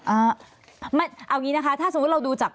เอาอย่างนี้นะคะถ้าสมมุติเราดูจาก